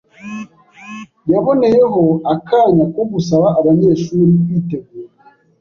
Yaboneyeho akanya ko gusaba abanyeshuri kwitegura